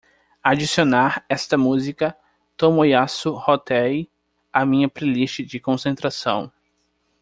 Adicionar esta música tomoyasu hotei à minha playlist de concentração